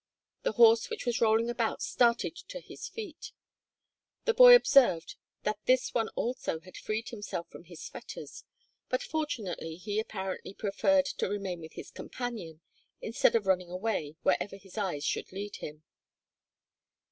The horse which was rolling about started to his feet. The boy observed that this one also had freed himself from his fetters, but fortunately he apparently preferred to remain with his companion instead of running away wherever his eyes should lead him.